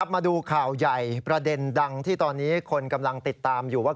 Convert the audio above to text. มาดูข่าวใหญ่ประเด็นดังที่ตอนนี้คนกำลังติดตามอยู่ว่า